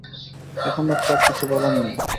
এখন আর তাঁর কিছু বলার নেই।